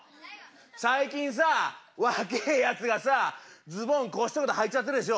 最近さ若えやつがさズボンこうしてまではいちゃってるでしょ。